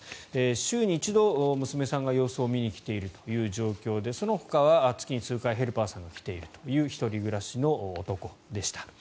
週に一度、娘さんが様子を見に来ているという状況でそのほかは月に数回ヘルパーさんが来ているという１人暮らしの男でした。